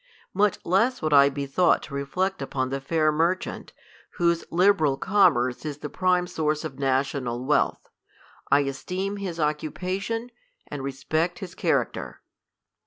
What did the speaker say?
Much less would I be thought to reflect upon the fair merchant, whose liberal com merce TIJE COLUMBIAN ORATOR. l!21 luerce is the prime source of national wealth. I esteem his occupation, and respect his character.